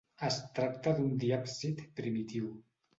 Es tracta d'un diàpsid primitiu.